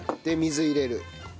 で水入れる。